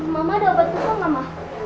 mama ada obat buka gak ma